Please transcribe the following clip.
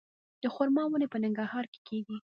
د خرما ونې په ننګرهار کې کیږي؟